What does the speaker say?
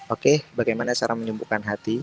oke bagaimana cara menyembuhkan hati